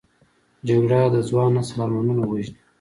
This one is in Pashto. جګړه د ځوان نسل ارمانونه وژني